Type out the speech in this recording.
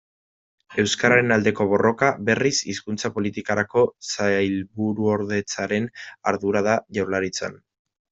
Euskararen aldeko borroka, berriz, Hizkuntza Politikarako Sailburuordetzaren ardura da Jaurlaritzan.